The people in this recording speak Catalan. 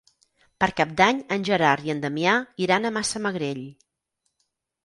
Per Cap d'Any en Gerard i en Damià iran a Massamagrell.